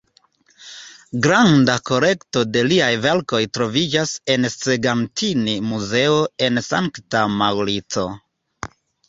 Granda kolekto de liaj verkoj troviĝas en Segantini-muzeo en Sankta Maŭrico.